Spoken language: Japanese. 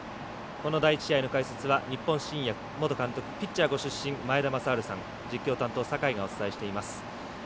第１試合の解説は日本新薬元監督ピッチャーご出身、前田正治さん実況担当、酒井がお伝えしています。